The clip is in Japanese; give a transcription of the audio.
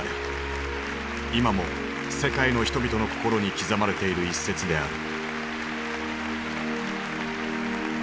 今も世界の人々の心に刻まれている一節である。